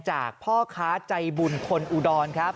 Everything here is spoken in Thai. พ่อค้าใจบุญคนอุดรครับ